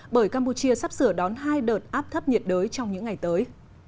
bởi campuchia sắp sửa đón hai đợt áp thấp nhiệt đới trong những ngày tới